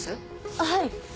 あっはい。